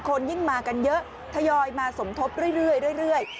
ยิ่งมากันเยอะทยอยมาสมทบเรื่อย